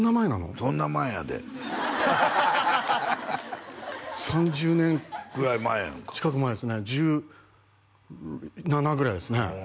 そんな前やで３０年近く前ですね１７ぐらいですね